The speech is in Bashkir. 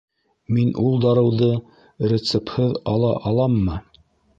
Мин ул дарыуҙы рецепһыҙ ала аламмы?